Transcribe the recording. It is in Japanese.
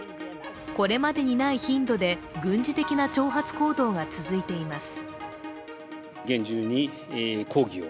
これまでにない頻度で軍事的な挑発行動が続いています。